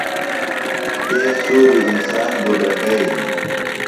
تیز سُوریۡ انسان بُدرَگئینی۔